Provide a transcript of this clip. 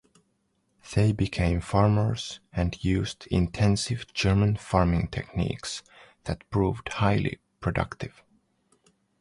They became farmers and used intensive German farming techniques that proved highly productive.